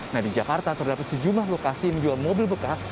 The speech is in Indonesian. nah di jakarta terdapat sejumlah lokasi yang menjual mobil bekas